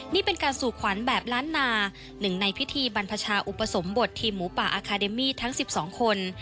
นี่เป็นการสู่ขวัญแบบล้านนาหนึ่งในพิธีบรรพชาอุปสมบททีมหมูป่าอาคาเดมี่ทั้ง๑๒คน